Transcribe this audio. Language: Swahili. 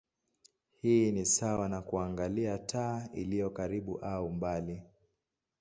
Hii ni sawa na kuangalia taa iliyo karibu au mbali.